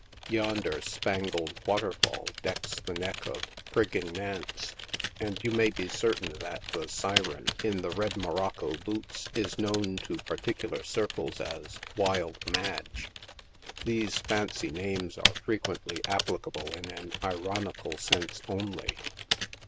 Yonder spangled waterfall decks the neck of " Prigging Nance," and you may be certain that the syren, in the red Morocco boots, is known to particular circles as '* Wild Madge." These fancy names are frequently applicable in an ironical sense, only.